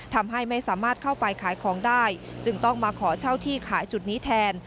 ทำให้ไม่สามารถเข้าไปขายของได้จึงต้องมาขอเช่าที่ขายจุดนี้แทน